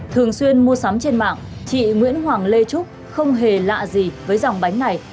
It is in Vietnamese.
thường xuyên mua sắm trên mạng chị nguyễn hoàng lê trúc không hề lạ gì với dòng bánh này